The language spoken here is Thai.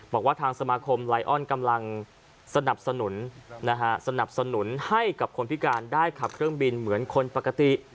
บอกว่าทางสมาคมไลออนกำลังสนับสนุนสนับสนุนให้กับคนพิการได้ขับเครื่องบินเหมือนคนปกติ